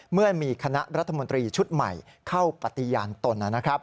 เมื่อมีคณะรัฐมนตรีชุดใหม่เข้าปฏิญาณตน